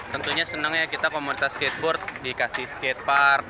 tentunya senang ya kita komunitas skateboard dikasih skatepark